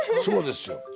そうですよ。